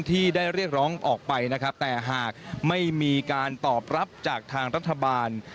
ที่ได้เรียกร้องออกไปนะครับแต่หากไม่มีการตอบรับจากทางรัฐบาล